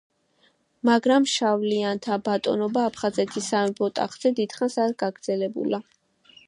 მაგრამ შავლიანთა ბატონობა აფხაზეთის სამეფო ტახტზე დიდხანს არ გაგრძელებულა.